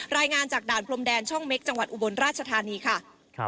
รายงานจากด่านพรมแดนช่องเม็กจังหวัดอุบลราชธานีค่ะ